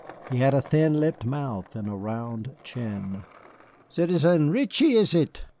He had a thin lipped mouth and a round chin. "Citizen Reetchie, is it?